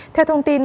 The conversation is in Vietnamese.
theo thông tin